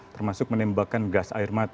termasuk menembakkan gas air mata